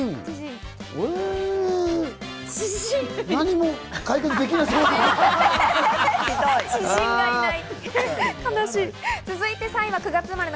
何も解決できなそうな。